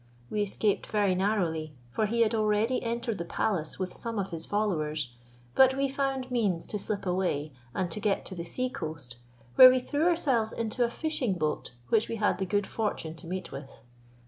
We escaped very narrowly, for he had already entered the palace with some of his followers, but we found means to slip away, and to get to the seacoast, where we threw ourselves into a fishing boat which we had the good fortune to meet with.